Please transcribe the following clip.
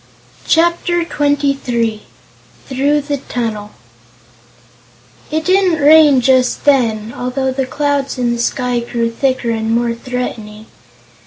Chapter Twenty Three Through the Tunnel It didn't rain just then, although the clouds in the sky grew thicker and more threatening.